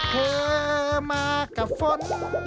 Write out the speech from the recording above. เธอมากับฝน